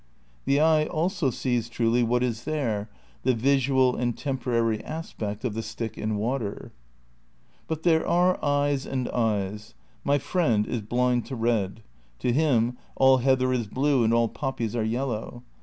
The eye also sees truly what is there — the visual and temporary aspect of the stick in water. But there are eyes and eyes. My friend is blind to red. To him all heather is blue and all poppies are yellow.